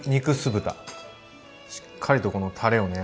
しっかりとこのたれをね。